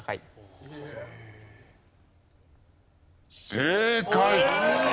正解！